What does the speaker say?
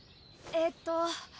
えっと